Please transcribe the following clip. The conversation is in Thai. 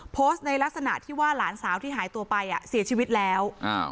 โพสต์ในลักษณะที่ว่าหลานสาวที่หายตัวไปอ่ะเสียชีวิตแล้วอ่า